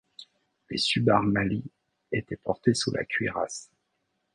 Les subarmalis étaient portés sous la cuirasse.